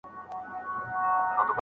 ژوند د الله امانت دی.